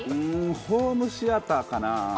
ホームシアターかな。